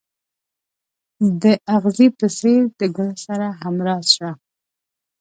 د اغزي په څېر د ګل سره همراز شه.